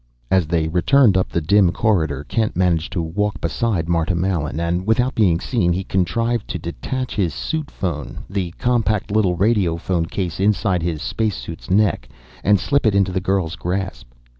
As they returned up the dim corridor Kent managed to walk beside Marta Mallen, and, without being seen, he contrived to detach his suit phone the compact little radiophone case inside his space suit's neck and slip it into the girl's grasp.